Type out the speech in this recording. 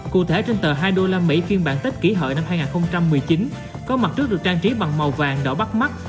cụ thể trên tờ hai usd phiên bản tết kỷ hợi năm hai nghìn một mươi chín có mặt trước được trang trí bằng màu vàng đỏ bắt mắt